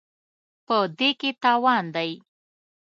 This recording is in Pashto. په دې کې تاوان دی.